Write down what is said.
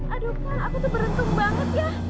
aduh kang aku tuh beruntung banget ya